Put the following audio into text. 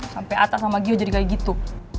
sampe ata sama jiho jadi kayak gitu